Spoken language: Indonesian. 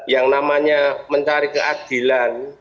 yang namanya mencari keadilan